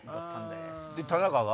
で田中が？